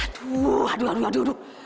aduh aduh aduh aduh